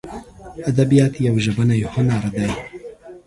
ادبیات یو ژبنی هنر دی.